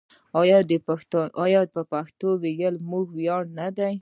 آیا د پښتو ویل زموږ ویاړ نه دی؟